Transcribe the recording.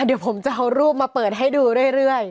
เดี๋ยวผมจะเอารูปมาเปิดให้ดูเรื่อย